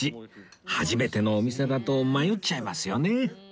初めてのお店だと迷っちゃいますよね